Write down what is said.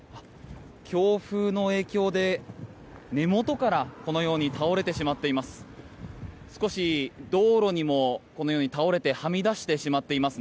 強風の影響で、根元からこのように倒れてしまっています。